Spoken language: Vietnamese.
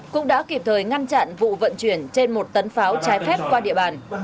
cũng đã kịp thời ngăn chặn vụ vận chuyển trên một tấn pháo trái phép qua địa bàn